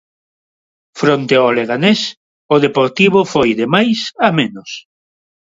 Fronte ao Leganés, o Deportivo foi de máis a menos.